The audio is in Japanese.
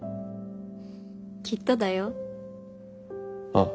きっとだよ。ああ。